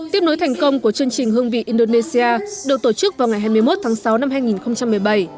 tiếp nối thành công của chương trình hương vị indonesia được tổ chức vào ngày hai mươi một tháng sáu năm hai nghìn một mươi bảy